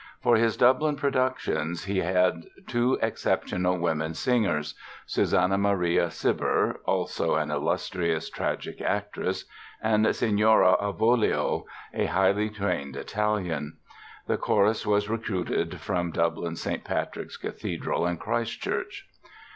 For his Dublin productions he had two exceptional woman singers—Susannah Maria Cibber (also an illustrious tragic actress) and Signora Avolio, a highly trained Italian. The chorus was recruited from Dublin's St. Patrick's Cathedral and Christchurch.